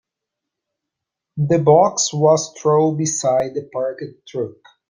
The box was thrown beside the parked truck.